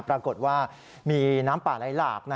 ปรากฏว่ามีน้ำป่าไหลหลาก